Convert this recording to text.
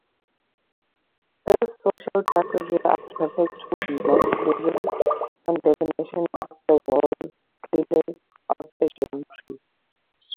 These social classes were attracted to Methodism's condemnation of the worldliness of the gentry.